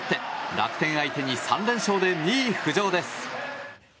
楽天相手に３連勝で２位浮上です。